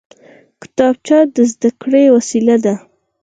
کتابچه د زده کړې وسیله ده